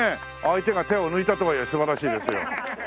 相手が手を抜いたとはいえ素晴らしいですよ。